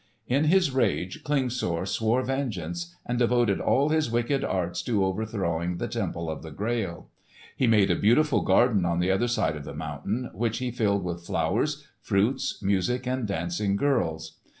In his rage, Klingsor swore vengeance and devoted all his wicked arts to overthrowing the Temple of the Grail. He made a beautiful garden on the other side of the mountain, which he filled with flowers, fruits, music and dancing girls.